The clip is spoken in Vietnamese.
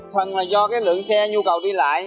phần là do lượng xe nhu cầu đi lại